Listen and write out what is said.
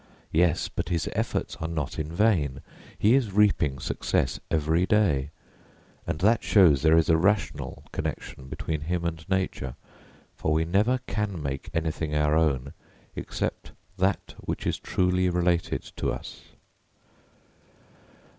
Yes, but his efforts are not in vain; he is reaping success every day, and that shows there is a rational connection between him and nature, for we never can make anything our own except that which is truly related to us.